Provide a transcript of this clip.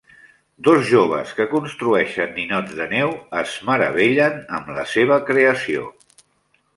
Dos joves que construeixen ninots de neu es meravellen amb la seva creació.